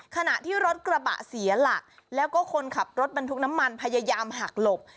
ขณะที่รถกระบะเสียหลักแล้วก็คนขับรถบรรทุกน้ำมันพยายามหักหลบ